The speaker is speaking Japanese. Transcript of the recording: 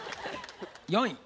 ４位。